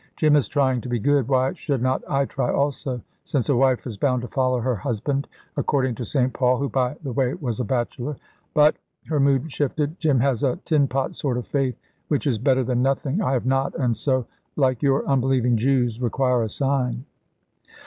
"Jim is trying to be good; why should not I try also, since a wife is bound to follow her husband, according to St. Paul, who by the way was a bachelor? But," her mood shifted, "Jim has a tin pot sort of faith which is better than nothing. I have not, and so, like your unbelieving Jews, require a sign."